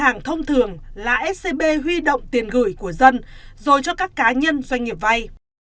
hàng thông thường là scb huy động tiền gửi của dân rồi cho các cá nhân doanh nghiệp vay